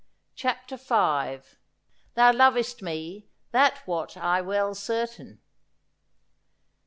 CHAPTER V ' THOU LOVEST ME, THAT "WOT I "WEL CERTAIN.'